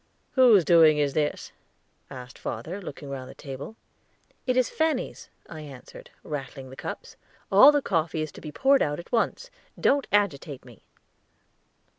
"Whose doing is this?" asked father, looking round the table. "It is Fanny's," I answered, rattling the cups. "All the coffee to be poured out at once, don't agitate me."